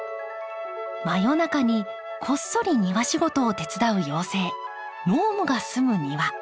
真夜中にこっそり庭仕事を手伝う妖精ノームが住む庭。